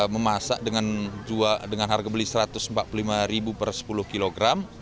memasak dengan harga beli rp satu ratus empat puluh lima per sepuluh kilogram